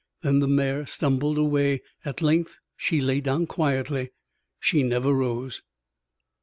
Then the mare stumbled away. At length she lay down quietly. She never rose.